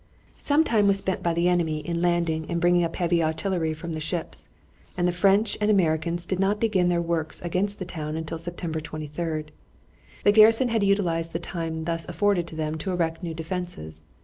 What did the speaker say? Some time was spent by the enemy in landing and bringing up heavy artillery from the ships, and the French and Americans did not begin their works against the town until September 23. The garrison had utilized the time thus afforded to them to erect new defenses.